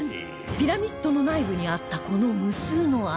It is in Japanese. ピラミッドの内部にあったこの無数の穴